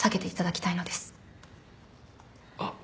あっ。